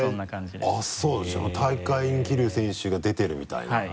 じゃあもう「大会に桐生選手が出てる」みたいな。